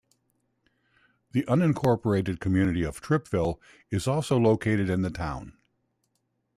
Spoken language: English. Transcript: The unincorporated community of Trippville is also located in the town.